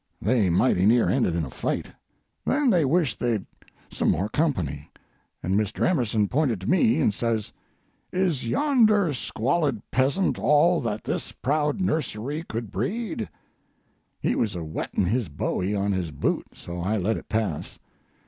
They mighty near ended in a fight. Then they wished they had some more company—and Mr. Emerson pointed to me and says: "'Is yonder squalid peasant all That this proud nursery could breed?' He was a whetting his bowie on his boot—so I let it pass.